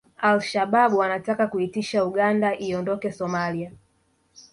Al Shabab wanataka kuitisha Uganda iondoke Somalia